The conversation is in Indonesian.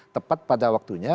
tepat pada waktunya